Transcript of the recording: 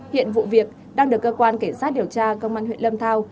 hiện vụ việc đang được cơ quan cảnh sát điều tra công an huyện lâm thao